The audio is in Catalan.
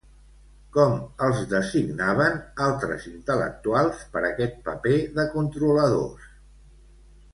Com els designaven, altres intel·lectuals, per aquest paper de controladors?